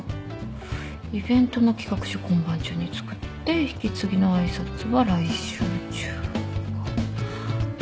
イベントの企画書今晩中に作って引き継ぎの挨拶は来週中。